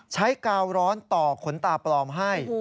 กาวร้อนต่อขนตาปลอมให้